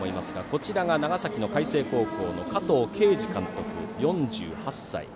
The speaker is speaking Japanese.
こちらが長崎の海星高校の加藤慶二監督、４８歳。